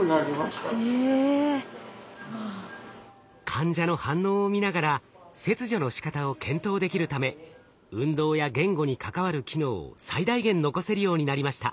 患者の反応を見ながら切除のしかたを検討できるため運動や言語に関わる機能を最大限残せるようになりました。